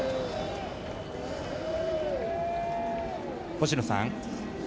星野さん